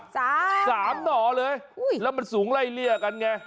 สามหน่อเลยอุ้ยแล้วมันสูงไล่เลี่ยกันไง